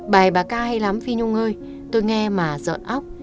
bài bà ca hay lắm phí nhung ơi tôi nghe mà giỡn óc